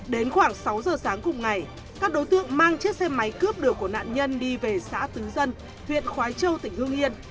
đến khoảng sáu giờ sáng cùng ngày các đối tượng mang chiếc xe máy cướp được của nạn nhân đi về xã tứ dân huyện khói châu tỉnh hương yên